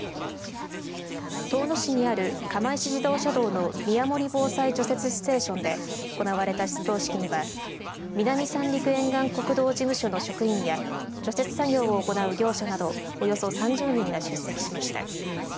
遠野市にある釜石自動車道の宮守防災除雪ステーションで行われた出動式には南三陸沿岸国道事務所の職員や除雪作業を行う業者などおよそ３０人が出席しました。